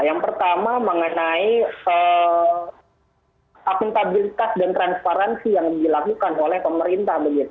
yang pertama mengenai akuntabilitas dan transparansi yang dilakukan oleh pemerintah